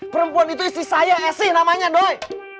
perempuan itu istri saya esih namanya doi